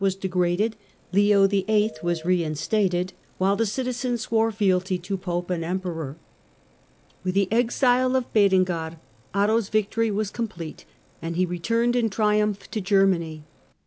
was de graded, Leo VIII. was reinstated, while the citizens swore fealty to Pope and Emperor. With tlie exile of Berengar, Otto's victory was complete, and he returned in triumph to Germany.